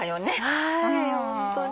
はいホントに。